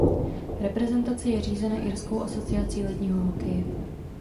Reprezentace je řízena Irskou asociací ledního hokeje.